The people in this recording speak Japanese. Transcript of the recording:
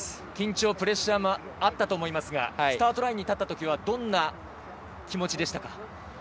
緊張、プレッシャーもあったと思いますがスタートラインに立ったときはどんな気持ちでしたか？